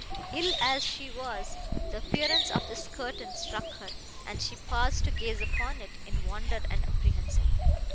Ill as she was, the appearance of this curtain struck her, and she paused to gaze upon it, in wonder and apprehension.